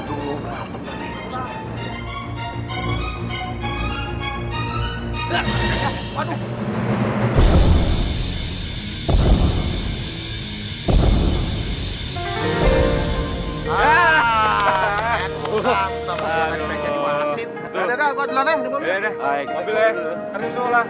cuman sama kalian udah clear